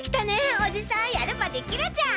おじさんやればできるじゃん。